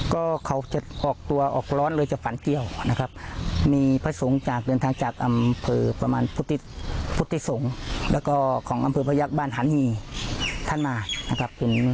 ก็เขาจะออกตัวออกร้อนเลยจะฝันเกี่ยวนะครับมีพระสงฆ์จากเดินทางจากอำเภอประมาณพุทธิสงฆ์แล้วก็ของอำเภอพยักษ์บ้านหันหี่ท่านมานะครับ